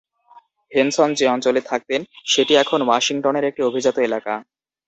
Henson যে অঞ্চলে থাকতেন সেটি এখন ওয়াশিংটনের একটি অভিজাত এলাকা।